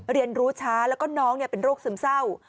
เรียนรู้ช้าแล้วก็น้องเป็นโรคซึมเศร้า